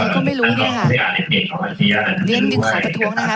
เขาไม่รู้ด้วยค่ะเนื่องจึงขอประท้วงนะครับ